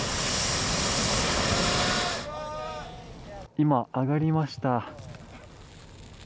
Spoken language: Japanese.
今、上がりました。